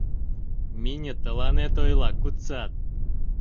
Мине тыланет ойла: куцат.